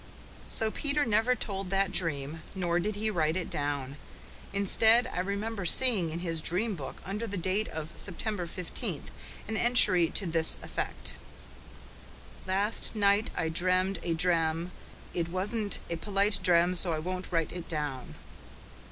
So Peter never told that dream, nor did he write it down. Instead, I remember seeing in his dream book, under the date of September fifteenth, an entry to this effect: "Last nite i dremed a drem. it wasent a polit drem so i won't rite it down."